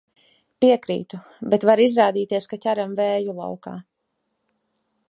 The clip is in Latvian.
Piekrītu, bet var izrādīties, ka ķeram vēju laukā.